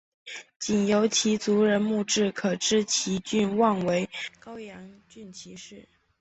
仅由其族人墓志可知其郡望为高阳郡齐氏。